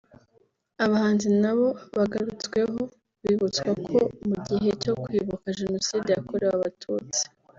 Abahanzi nabo bagarutsweho bibutswa ko mu gihe cyo kwibuka Jenoside yakorewe Abatutsi